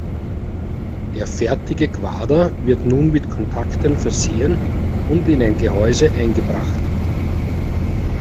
Der fertige Quader wird nun mit Kontakten versehen und in ein Gehäuse eingebracht.